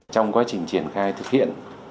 trong quá trình triển khai thực hiện